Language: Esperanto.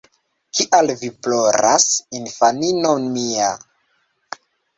Kial vi ploras, infanino mia?